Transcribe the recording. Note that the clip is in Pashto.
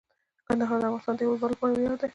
کندهار د افغانستان د هیوادوالو لپاره ویاړ دی.